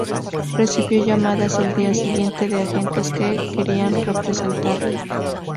Recibió llamadas al día siguiente de agentes que querían representarlo.